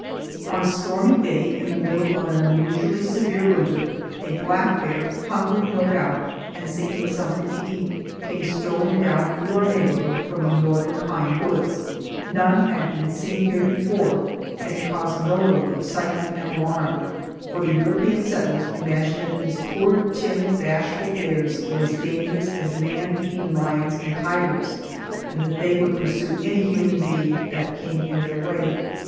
On a stormy day in the middle of an unusually severe winter, a black bear, hungry, no doubt, and seeking something to eat, came strolling down through our neighborhood from the northern pine woods. None had been seen here before, and it caused no little excitement and alarm, for the European settlers imagined that these poor, timid, bashful bears were as dangerous as man eating lions and tigers, and that they would pursue any human being that came in their way.